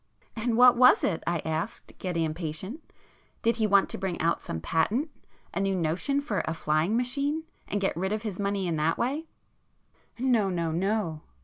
"And what was it?" I asked, getting impatient—"Did he want to bring out some patent?—a new notion for a flying machine, and get rid of his money in that way?" "No, no, no!"